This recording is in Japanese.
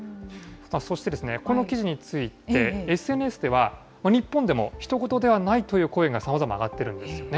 そしてこの記事について、ＳＮＳでは、日本でもひと事ではないという声がさまざま上がっているんですよね。